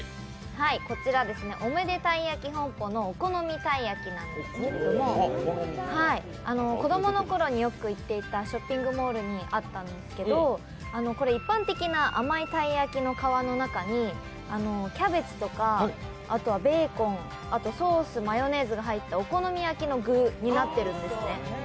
こちら、おめで鯛焼き本舗のお好みたい焼きなんですけど子供のころによく行っていたショッピングモールにあったんですけど、これ、一般的な甘いたい焼きの皮の中にキャベツとかあとはベーコン、ソース、マヨネーズが入ったお好み焼きの具になってるんですね。